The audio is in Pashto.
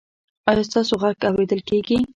ایا ستاسو غږ اوریدل کیږي؟